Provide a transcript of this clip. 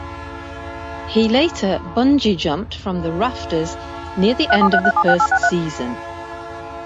He later bungee-jumped from the rafters near the end of the first season.